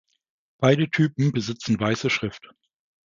Beide Typen besitzen weiße Schrift.